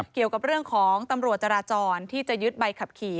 เกี่ยวกับเรื่องของตำรวจจราจรที่จะยึดใบขับขี่